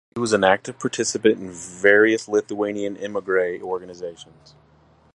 He was an active participant in various Lithuanian emigre organisations.